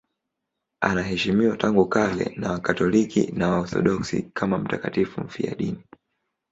Anaheshimiwa tangu kale na Wakatoliki na Waorthodoksi kama mtakatifu mfiadini.